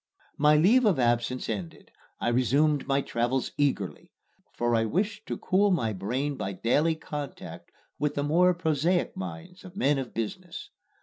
My leave of absence ended, I resumed my travels eagerly; for I wished to cool my brain by daily contact with the more prosaic minds of men of business.